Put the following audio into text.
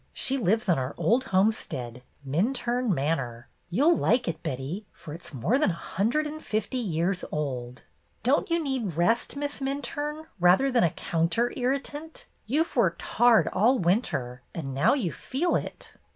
She lives on our old homestead, Minturne Manor. You 'll like it, Betty, for it 's more than a hundred and fifty years old." "Don't you need rest. Miss Minturne, rather than a counter irritant ? You've worked hard all winter, and now you feel it."